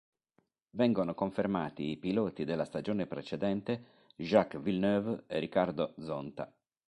Vengono confermati i piloti della stagione precedente, Jacques Villeneuve e Ricardo Zonta.